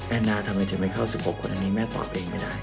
นานาทำไมถึงไม่เข้า๑๖คนอันนี้แม่ตอบเองไม่ได้